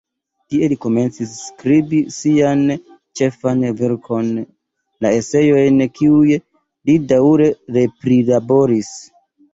Tie li komencis skribi sian ĉefan verkon, la "Eseojn", kiujn li daŭre re-prilaboris.